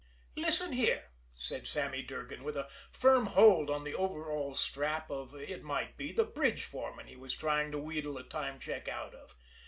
"Listen here," said Sammy Durgan, with a firm hold on the overalls' strap of, it might be, the bridge foreman he was trying to wheedle a time check out of.